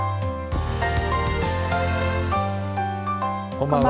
こんばんは。